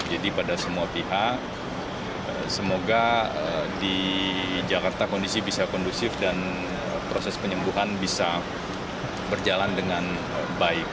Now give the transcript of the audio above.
jadi pada semua pihak semoga di jakarta kondisi bisa kondusif dan proses penyembuhan bisa berjalan dengan baik